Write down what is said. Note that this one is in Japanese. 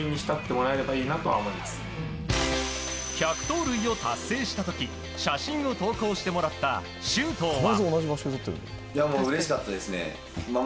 １００盗塁を達成した時写真を投稿してもらった周東は。